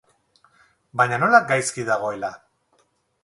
Baina nola, gaizki dagoela?